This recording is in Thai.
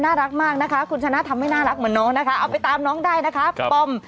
น่ารักมากนะคะคุณชนะทำให้น่ารักเหมือนน้องนะคะเอาไปตามน้องได้นะคะคุณปอม